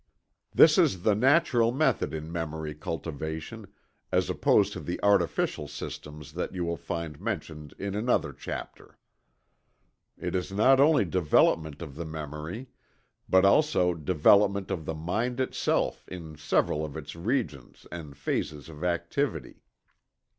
This is the natural method in memory cultivation, as opposed to the artificial systems that you will find mentioned in another chapter. It is not only development of the memory, but also development of the mind itself in several of its regions and phases of activity.